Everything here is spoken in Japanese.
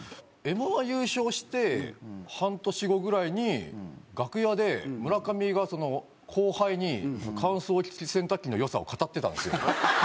Ｍ−１優勝して半年後ぐらいに楽屋で村上が後輩に乾燥機つき洗濯機の良さを語ってたんですよ。